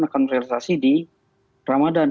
akan merealisasikan di ramadan